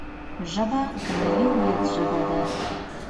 ژبه د ملي هویت ژبه ده